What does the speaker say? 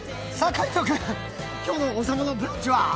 海音君、今日の「王様のブランチ」は？